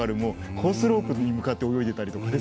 コースロープに向かって泳いでいたりとか。